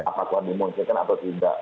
apakah dimunculkan atau tidak